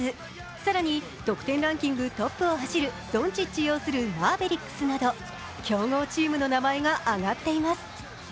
更に得点ランキングトップを走るドンチッチ擁するマーベリックスなど強豪チームの名前が挙がっています。